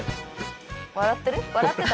笑ってる？